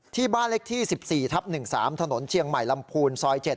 ที่บ้านเลขที่๑๔ทับ๑๓ถนนเชียงใหม่ลำพูนซอย๗